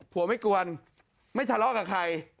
ผัวไม่กวนไม่ทะเลาะกับใคร